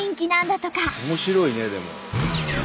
面白いねでも。